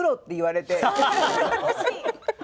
惜しい。